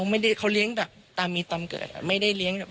คุณผู้ชมฟังเสียงคุณธนทัศน์เล่ากันหน่อยนะคะ